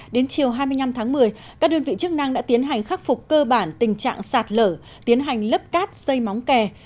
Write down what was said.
đến chiều hai mươi năm tháng một mươi các đơn vị chức năng đã tiến hành khắc phục cơ bản tình trạng sạt lở tiến hành lấp cát xây móng kè